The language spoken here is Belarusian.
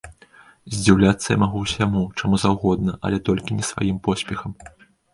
Здзіўляцца я магу ўсяму, чаму заўгодна, але толькі не сваім поспехам.